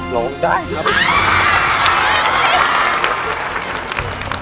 ลงได้ครับ